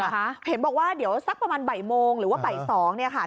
เห็นบอกว่าเดี๋ยวสักประมาณบ่ายโมงหรือว่าบ่าย๒เนี่ยค่ะ